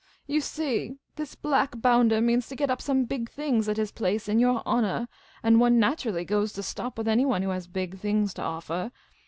Yah see, this black boundah means to get up some big things at his place in your honah ; and one naturally goes to stop with anyone who has big things to offah.